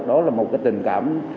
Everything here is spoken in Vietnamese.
đó là một tình cảm